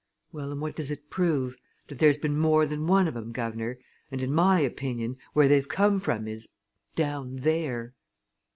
Well, an' what does it prove? That there's been more than one of 'em, guv'nor. And in my opinion, where they've come from is down there!"